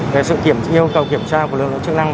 về sự yêu cầu kiểm tra của lực lượng chức năng